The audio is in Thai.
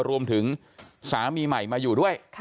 รวมถึงสามีใหม่มาอยู่ด้วย